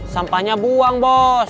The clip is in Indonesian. sampahnya buang bos